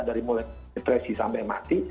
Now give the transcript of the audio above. dari mulai depresi sampai mati